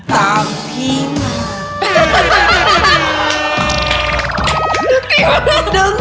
ตามพี่มา